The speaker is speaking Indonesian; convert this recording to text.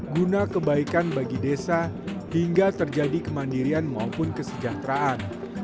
guna kebaikan bagi desa hingga terjadi kemandirian maupun kesejahteraan